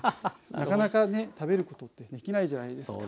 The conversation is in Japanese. なかなかね食べることってできないじゃないですか。